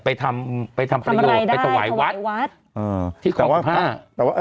ไปทำไปทำประโยชน์ทำอะไรได้ไปตวายวัดตวายวัดอืมที่ของพ่อแต่ว่า